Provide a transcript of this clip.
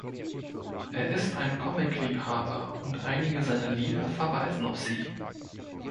Er ist ein Comic-Liebhaber und einige seiner Lieder verweisen auf sie.